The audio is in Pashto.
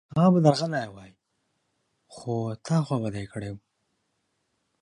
هغه به درغلی وای، خو تا خوابدی کړی و